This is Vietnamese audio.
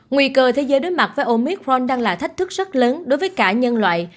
nguy cơ thế giới đối mặt với omicron đang là thách thức rất lớn đối với cả nhân loại